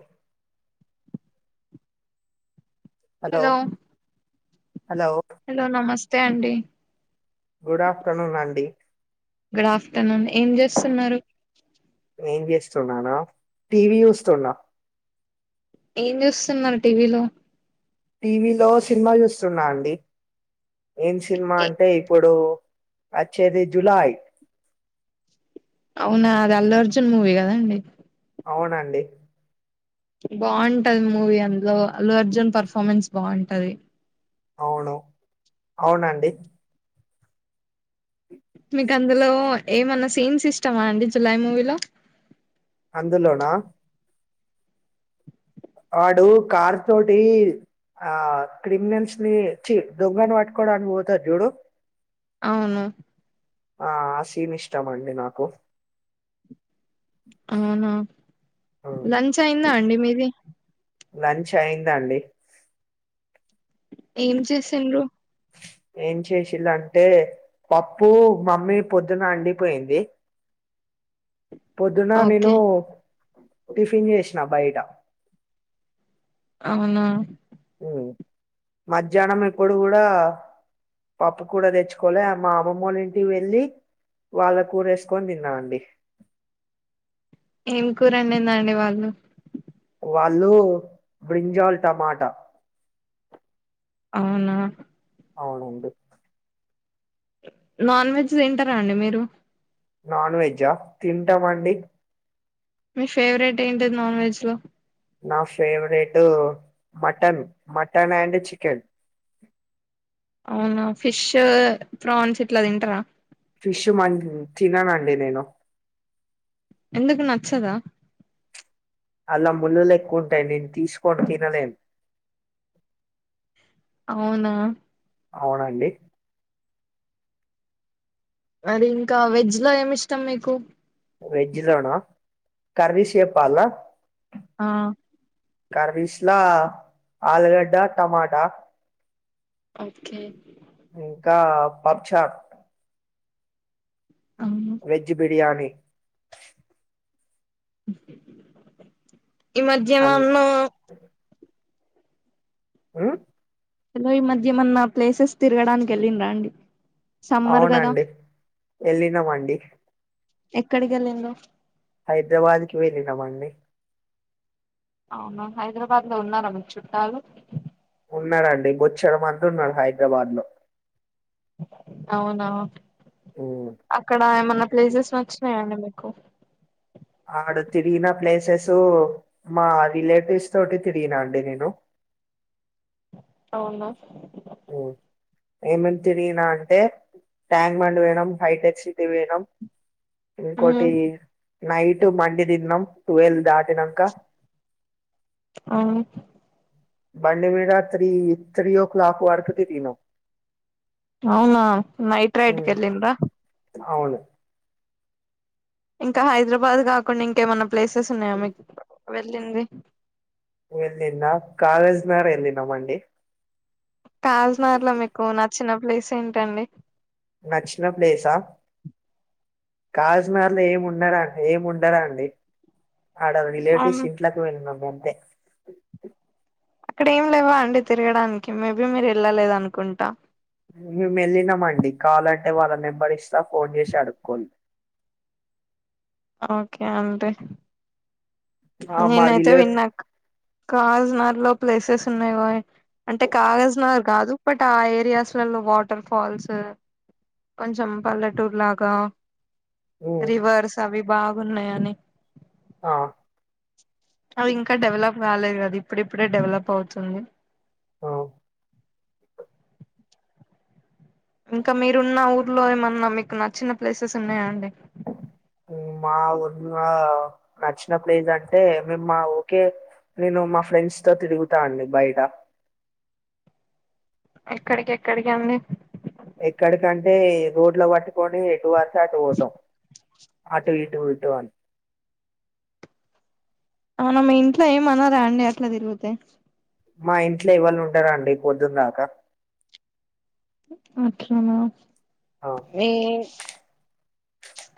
అ hello hello hello నమస్తే అండి good afternoon అండి గుడ్ ఆఫ్టర్నూన్ ఏం చేస్తున్నారు ఏం చేస్తున్నానా టీవి చూస్తున్నా ఏం చూస్తున్నారు టీవీలో టీవీలో సినిమా చూస్తున్నా అండి ఏం సినిమా అంటే ఇప్పుడు వచ్చేది జులాయి అవునా అది అల్లు అర్జున్ మూవీ కదా అండి అవునండి బాగుంటది మూవీ అందులో అల్లు అర్జున్ పర్ఫార్మెన్స్ బాగుంటది అవును అవునండి మీకు అందులో ఏమన్నా సీన్స్ ఇష్టమా అండి జులాయి మూవీలో అందులోనా వాడు కార్ తోటి ఆ క్రిమినల్స్ని చి దొంగను పట్టుకోడానికి పోతడు జూడు అవును ఆ ఆ సీన్ ఇష్టం అండి నాకు అవునా లంచ్ అయిందా అండి మీది లంచ్ అయిందండి ఏం చేసిర్రు ఏం చేసిల్ అంటే పప్పు మమ్మీ పొద్దున వండిపోయింది పొద్దున నేను ఓకే టిఫిన్ చేసిన బయట అవునా మధ్యాహ్నం ఇప్పుడు కూడా పప్పు కూడా తెచ్చుకోలే మా అమ్మమ్మవాళ ఇంటికి వెళ్ళి వాళ్ళ కూరేసుకొని తిన్నాఅండి ఏం కూరవండిందండి వాళ్ళు వాళ్ళు బ్రింజాల్ టమాట అవ్ నా? అవునండి నాన్ వెజ్ తింటారా అండి మీరు? నాన్ వెజ్జా తింటాం అండి. మీ ఫేవరెట్ ఏంటిది నాన్ వెజ్ లో? నా favourite mutton, mutton, and chicken అవునా ఫిష్, ఫ్రాన్స్, ఇట్లా తింటారా? ఫిష్ మన్ తిననండి నేను ఎందుకు నచ్చదా? అలా ముళ్ళులు ఎక్కువ ఉంటాయండి నేను తీసుకోని తినలేన్ అవునా? అవునండి. మరి ఇంకా వెజ్ లో ఏమి ఇష్టం మీకు? వెజ్ లోనా కర్రీ షెపాల్ల ఆ కర్రీస్లా ఆలుగడ్డ, టమాటా ఓకే ఇంకా పప్చార్ అవును వెజ్ బిర్యాని ఈ అం మధ్యమంలో ఊ సలో ఈ మధ్య ఏమన్నా ప్లేసెస్ తిరగడానికి వెళ్ళిన్రా అండి? సమ్మర్ కదా అవునండి వెళ్ళినమండి ఎక్కడికి వెళ్ళిండ్రు? హైద్రాబాద్కి వెళ్ళినమండి అవునా హైదరాబాద్ లో ఉన్నారా మీకు చుట్టాలు ఉన్నారండి బొచ్చెడు మంది ఉన్నారు హైద్రాబాద్ లో అవునా ఉమ్ అక్కడ ఏమన్నా ప్లేసెస్ నచ్చినాయండి మీక్ కు ఆడు తిరిగిన ప్లేసెసు మా రిలేటివ్స్ తోటి తిరిగినా అండి నేను అవునా? ఊ ఏమేం తిరిగినా అంటే ట్యాంక్ మండ్ పొయినం హైటెక్ సిటీ పొయినం ఉమ్ ఇంకోటి నైట్ మండీ దిన్నాం టువల్దాట్ ఆ బండి మీ త్రీ త్రీ ఒ క్లాక్ వరకు తిరిగినం అవునా నైట్ రైడ్ కెల్లిండ్రా అవును ఇంకా హైదరాబాద్ కాకుండా ఇంకేమన్నా ప్లేసెస్ ఉన్నాయా మీక్ వెళ్ళింది వెల్లినా కాగజ్ నగర్ ఎల్లినమండి కాజ్ నగర్ ల మీకు నచ్చిన ప్లేస్ ఏంటండి? నచ్చిన ప్లేసా కాజనర్ లో ఏముండరా ఏముండద అండి ఆడ రిలేటివ్స్ ఇంట్లక్ వెేళ్ళినం అంతే అక్కడ ఏం లేవా అండి తిరగడానికి మేబీ మీరు వెళ్ళలేదు అనుకుంటా మేము వెళ్ళినామండి కావాలంటే వాళ్ళ నెంబర్ ఇస్తా ఫోన్ చేసి అడుక్కోండి ఓకే అండి ఆ మా నేనైతే రిలేట్ విన్నా కాజ్ నా లో ప్లేసెస్ ఉన్నాయి అంటే కాగజ్ నగర్ కాదు బట్ ఆ ఏరియాస్లలో వాటర్ ఫాల్ ల్స్ కొంచం పల్లెటూర్ లాగా ఉమ్, రివర్స్ అవి భాగున్నాయాని ఆ అవి ఇంకా డెవలప్ కాలేదు కదా ఇప్పుడు ఇప్పుడే డెవలప్ అవుతుంది ఆ ఇంకా మీరున్న ఊర్లో ఏమన్నా మీకు నచ్చిన ప్లేసెస్ ఉన్నాయా అండి మా ఊర్ల నచ్చిన ప్లేస్ అంటే మేము మా ఓకే నేను మా ఫ్రెండ్స్ తో తిరుగుతా అండి బయట ఎక్కడికేక్కడికి అండి ఎక్కడికంటే రోడ్లు పట్టుకోని ఎటు అంటే అటు పోతాం ఆటు ఇటు ఊటువాన్ అవునా మీ ఇంట్లో ఏమన్నారా అండి అట్లా తిరుగుతే మా ఇంట్లో ఇవాళు ఉండరండి పొద్దున్దాకా అట్లన ఆ మీ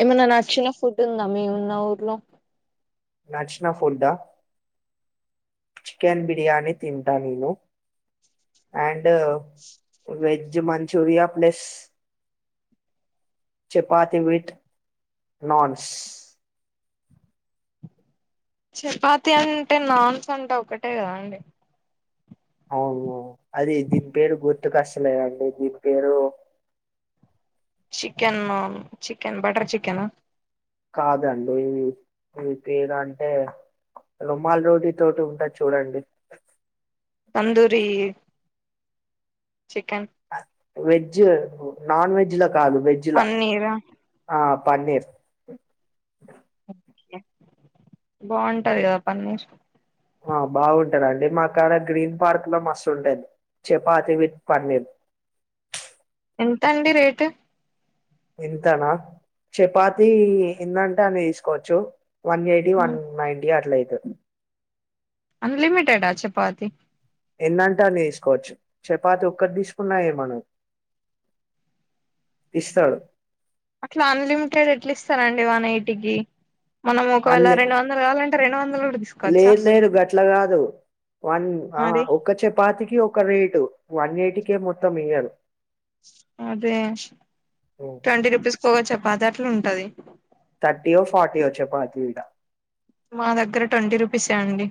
ఏమన్నా నచ్చిన ఫుడ్ ఉందా మే ఉన్న ఊర్లో నాచ్చినా ఫుడ్డా చికెన్ బిర్యానీ తింటా నిను and veg Manchuria plus chapati with naans chapati అంటే నాన్స్ అంటే ఒకటే కదా అండి అవును అది దీని పేరు గుర్తు కష్టలేదండి దీని పేరు chicken naan chicken butter chicken కాదండి ఇవి పేరంటే రోమాల్డోడి తోటి ఉంటాది చూడండి తందూరి చికెన్ వెజ్ నాన్ వెజ్లా కాదు వెజ్లా పన్నీరా ఆ పన్నీర్ బాగుంటది కదా పన్నీర్ ఆ బాగుంటదండి మాకడ గ్రీన్ పార్క్ లో మస్తు ఉంటది చెపాతి విత్ పన్నీరు ఎంతండి రేట్ ఎంతనా చపాతి ఎనంటే అన్ని తీసుకోవచ్చు వన్ ఎయిటీ వన్ నైన్ంటీ అట్లైత్ అన్లిమిటెడ చపాతిీ ఎన్నంటే అన్ని తీసుకోవచ్చు చపాతి ఒక్కటి తీసుకున్నాయ ఏమనరు పిస్తాడు అట్లా అన్లిమిటెడ్ ఎట్లా ఇస్తారండి వన్ ఎయిటీకిి మనం ఒకవేళ అన్లే రెండు వందలు కావాలం రెండు వందలు కూడా తీసుకోవచ్చా లేదు లేరు గట్ల కాదు వన్ ఆ మరి ఒక్క చపాతికి ఒక రేటు వన్ ఎయిటీ కే మొత్తం ఇయ్యరు అదే ట్వంటీ రూపీస్ ఒగ చపాతీ అట్లా ఉంటది తర్టీ ఓ ఫార్టీ ఓ చపాతి ఈడ మా దగ్గర ట్వంటీ రూపీసే అండి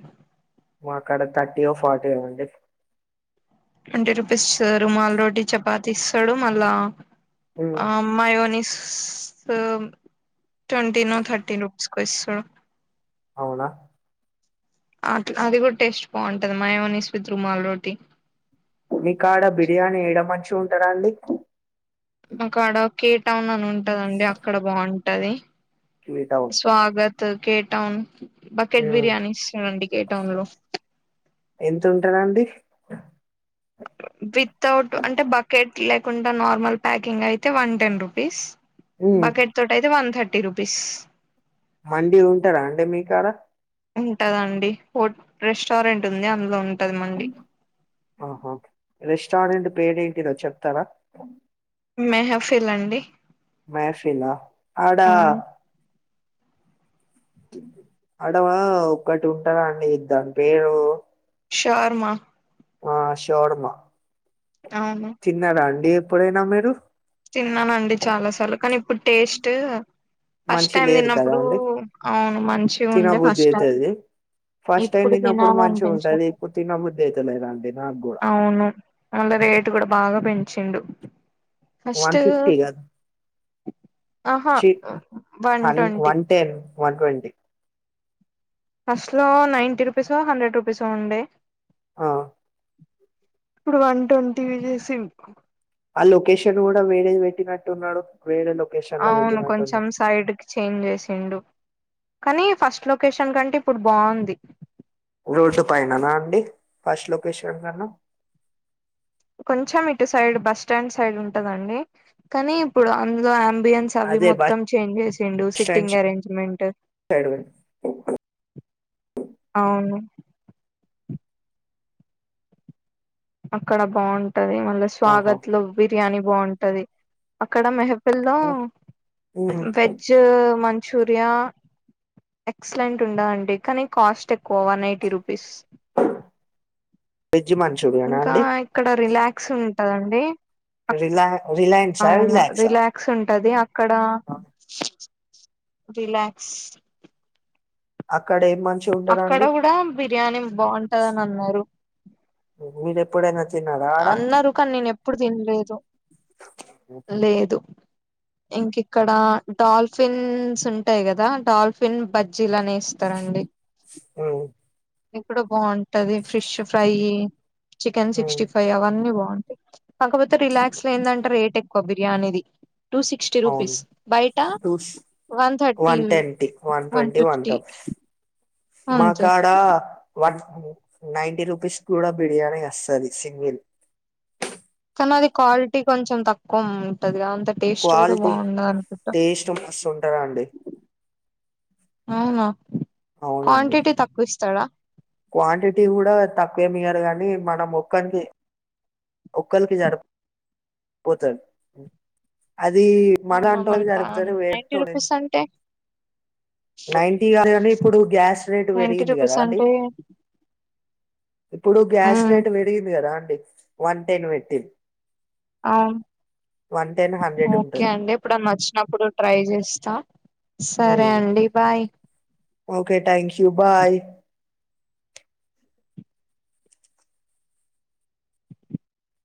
మా కాడా థర్టీ ఓ ఫార్టీ ఓ అండి ట్వంటీ రూపీస్ రుమాల్ రోటి చపాతి ఇస్తాడు మళ్ళా ఉమ్, ఆ మైగోనిస్ సో ట్వంటి నో థర్టీన్ రూపీస్కో ఇస్తడు అవునా అట్లా అది కూడా టేస్ట్ బాగుంటది మైమోనీస్ విత్ రుమాల్ రోటీ మీ కాడా బిర్యానీ ఏడ మంచిగా ఉంటార అండి మా కాడా కే టౌన్ అని ఉంటదండి అక్కడ బాగుంటది కివిటౌన్ స్వాగత్ కేటౌన్ బకెట్ బిర్యానీ ఇష్టామండి కేటౌన్ లో ఎంత ఉంటదండి వితౌట్ అంటే బకెట్ లేకుండా నార్మల్ ప్యాకింగ్ అయితే వన్ టెన్ రూపీస్ బకెట్ తో అయితే వన్ థర్టీ టి రుపీస్ మండి ఉంటాద అంటే మీ కాడా ఉంటద అండి హో రెస్టారెంట్ ఉంది అందులో ఉంట ఆహ రెస్టారెంట్ పేరు ఏంటిదో చెప్తారా మెహఫిల్ అండి మహఫిలా ఆడ ఆ అడవా ఒక్కటి ఉంటది అండి దాని పేరు షోర్మ ఆ షోర్మా అవును తీన్నరా అండి ఎప్పుడైనా మీరు తిన్నానండి చాలాసార్లు కానీ ఇప్పుడు టెస్ట్ ఫస్ట్ మంచి టైం లేరు కదా తిన్నప్పుడు అండి అవును మంచిగా ఉండే తినబుద్ధి ఫస్ట్ టైం అయితది ఫస్ట్ టైం ఇప్పుడు తిన్నప్పుడు తినాల మంచిగా ఉంటది అనిపించదు ఇప్పుడు తినబుద్ధి అయితలేదండి నాకు కూడా అవును అందరు రేటు కూడా బాగా పెంచిండు ఫస్ట్ వన్ ఫిఫ్టీ కాదు ఆహా చి one one ten one twenty first లో నైన్టీ రూపీస్ ఓ హండ్రెడ్ రూపీస ఓ ఉండే ఆ ఇప్పుడు వన్ ట్వంటీ ఈ చేసి ఆ లొకేషన్ కూడా వేరేది పెట్టినట్టు ఉన్నాడు అవును కొంచెం సైడ్కి చేంజ్ చేసిండు కానీ ఫస్ట్ లొకేషన్ కంటే ఇప్పుడు బాగుంది రోడ్ పైననా అండి ఫస్ట్ లొకేషన్ అన్నావ్ కొంచెం ఇటు సైడ్ బస్ స్టాండ్ సైడ్ ఉంటదండి కానీ ఇప్పుడు అందులో బియన్స్ అవి అదే బస్ మొత్తం చేంజ్ చేసిండు స్టాండ్ సిట్టింగ్ అరేంజ్మెంట్ సైడ్ అవును అక్కడ బాగుంటది మళ్ళీ ఆహా స్వాగత్ లో బిర్యానీ బాగుంటది అక్కడ మెహపలో ఉమ్. వెజ్ మంచూరియా ఎక్సలెంట్ ఉండా అండి కానీ కాస్ట్ ఎక్కువ వన్ ఎయిటీ రూపీస్ వెజ్ మంచూరియనా ఇంకా అండి ఇక్కడ రిలాక్స్ ఉంటదండి రిలా రిలయన్సా అవును రిలాక్సా రిలాక్స్ ఉంటది అక్కడ రిలాక్స్ అక్కడే అక్కడ కూడ బిర్యానీ బాగుంటదని అన్నారు మీరేపుడైన అన్నారు కానీ నేను ఎప్పుడు తినలేదు లేదు ఇంక ఇక్కడ డాల్ఫిన్స్ ఉంటాయి కదా డాల్ఫిన్ బ [unintelligible] ఎస్తారండి ఉమ్ ఇక్కడ బాగుంటది ఫిష్ ఫ్రై చికెన్ ఉమ్ సిక్స్టీ ఫైవ్ అవన్నీ కాకపోతే రిలాక్స్ లో ఏందంటే రేట్ ఎక్కువ బిర్యానీది టూ సిక్స్టీ అవును రూపీస్ బయట two one twenty one twenty one twenty అంతే మాకాడ నైన్ టి రూపీస్కి కూడా బిర్యానీ వస్తది సింగిల్ కాని అది క్వాలిటీ కొంచెం తక్కువ ఉంటదిగా అ టేస్ట్ కూడ క్వాలిటీ బాగుండదనుకుంటా టేస్ట్ మస్తు ఉంటదండి అవునా అవునండి క్వాంటిటీ తక్కువ ఇస్తాడా క్వాంటిటీ కూడ తక్కువే [unintelligible] కానీ మనం మొక్కనికి ఒకల్కి [inaudible] అది మన అవునా వంటలకి మరి నైన్టీ [inaudible] రూపీస్ అంటే నైటీ [unintelligible] ఇప్పుడు గ్యాస్ రేటు నైన్టీ పెరిగింది కదా రూపీస్ అండి అంటే ఇప్పుడు గ్యాస్ మ్మ్ రేట్ పెరిగింది కదా అండి వన్ టెన్ [unintelligible] ఆ వన్ టెన్ హండ్రెడ్ ఓకే ఉంటది అండి ఇప్పుడన్న వచ్చినప్పుడు ట్రై చేస్తా సరే అండి bye okay thank you bye